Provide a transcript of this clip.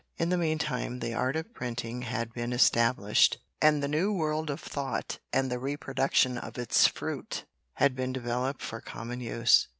In the meantime the art of printing had been established and the new world of thought and the reproduction of its fruit, had been developed for common use.